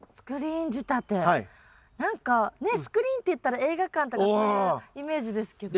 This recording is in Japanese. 何かねっスクリーンっていったら映画館とかそういうイメージですけどね。